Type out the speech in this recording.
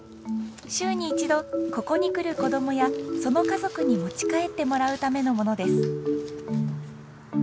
週に１度ここに来るこどもやその家族に持ち帰ってもらうためのものです。